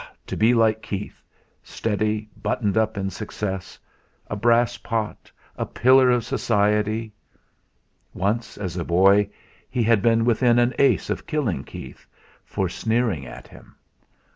to be like Keith, steady, buttoned up in success; a brass pot, a pillar of society! Once, as a boy, he had been within an ace of killing Keith, for sneering at him.